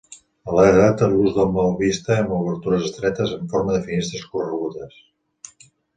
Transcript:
A la dreta l'ús del maó vista amb obertures estretes en forma de finestres corregudes.